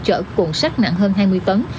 chở cuộn xác nặng hơn hai mươi tấn